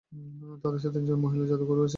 তাদের সাথে তিনজন মহিলা যাদুকরও ছিল।